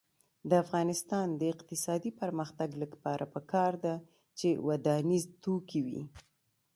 د افغانستان د اقتصادي پرمختګ لپاره پکار ده چې ودانیز توکي وي.